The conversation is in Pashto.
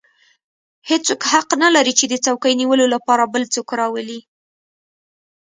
هېڅوک حق نه لري چې د څوکۍ نیولو لپاره بل څوک راولي.